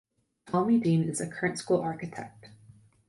Ptolemy Dean is the current school architect.